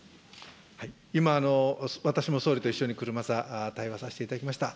今、私も総理と一緒に車座対話させていただきました。